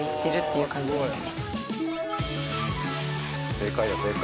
正解だ正解。